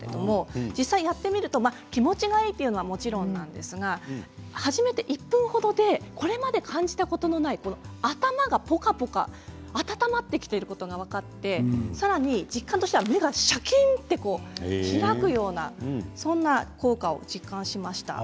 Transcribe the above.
実際やってみると気持ちがいいのはもちろんなんですが始めて１分程でこれまで感じたことがない頭がポカポカ温まってくるのが分かって実感としては目がシャキンと開くようなそんな効果を実感しました。